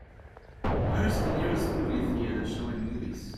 where is the nearest movie theatre showing movies